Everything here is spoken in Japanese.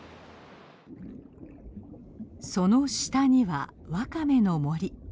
その下にはワカメの森。